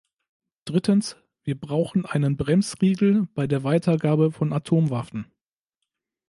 Drittens, wir brauchen einen Bremsriegel bei der Weitergabe von Atomwaffen.